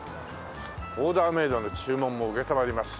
オーダーメイドの注文も承ります。